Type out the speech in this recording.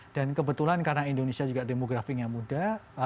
dan kebetulan karena indonesia juga demografinya muda